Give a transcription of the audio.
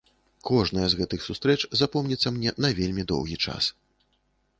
Кожная з гэтых сустрэч запомніцца мне на вельмі доўгі час.